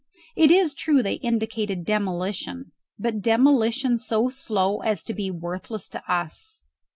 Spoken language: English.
It is true they indicated demolition, but demolition so slow as to be worthless to us.